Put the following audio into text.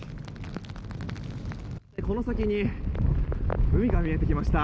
この先に海が見えてきました。